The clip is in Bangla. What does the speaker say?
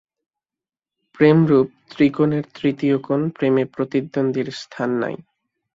প্রেমরূপ ত্রিকোণের তৃতীয় কোণ প্রেমে প্রতিদ্বন্দ্বীর স্থান নাই।